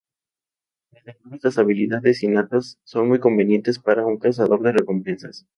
Desde luego estas habilidades innatas son muy convenientes para un cazador de recompensas.